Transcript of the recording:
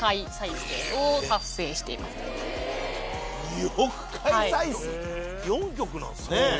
２億回再生⁉４曲なんですね。